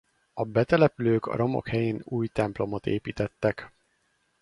A betelepülők a romok helyén új templomot építettek.